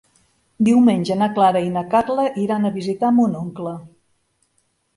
Diumenge na Clara i na Carla iran a visitar mon oncle.